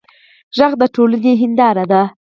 غږ د ټولنې هنداره ده